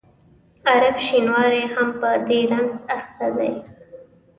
عارف شینواری هم په دې رنځ اخته دی.